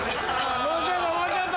もうちょっともうちょっと。